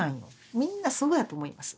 みんなそうやと思います。